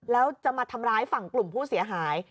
แล้วจะมาทำร้ายฝั่งกลุ่มผู้เสียหาย